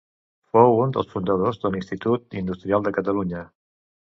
Fou un dels fundadors de l'Institut Industrial de Catalunya.